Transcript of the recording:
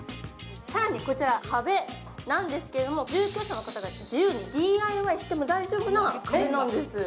更にこちら、壁なんですけれども居住者の方が自由にＤＩＹしても大丈夫な壁なんです。